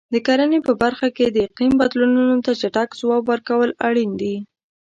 د کرنې په برخه کې د اقلیم بدلونونو ته چټک ځواب ورکول اړین دي.